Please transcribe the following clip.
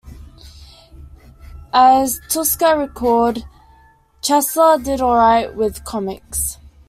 As Tuska recalled, Chesler did alright with comics.